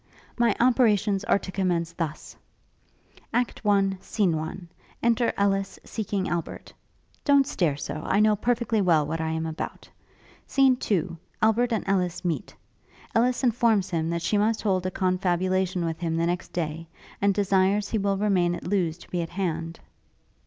'My operations are to commence thus: Act I. Scene I. Enter Ellis, seeking Albert. Don't stare so; I know perfectly well what I am about. Scene II. Albert and Ellis meet. Ellis informs him that she must hold a confabulation with him the next day; and desires that he will remain at Lewes to be at hand.